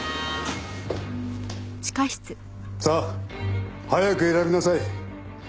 さあ早く選びなさい。